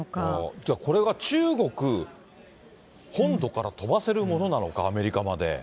じゃあ、これが中国本土から飛ばせるものなのか、アメリカまで。